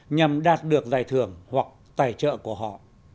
nhằm đạt được giải thưởng hoặc tài trợ của họ